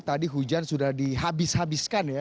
tadi hujan sudah dihabis habiskan ya